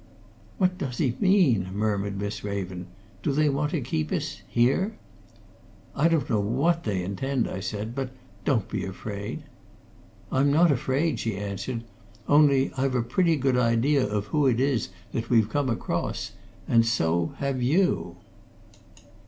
"What does he mean?" murmured Miss Raven. "Do they want to keep us here?" "I don't know what they intend," I said. "But don't be afraid." "I'm not afraid," she answered. "Only I've a pretty good idea of who it is that we've come across! And so have you?"